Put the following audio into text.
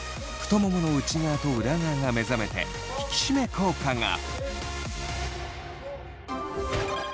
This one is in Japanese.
太ももの内側と裏側が目覚めて引き締め効果が！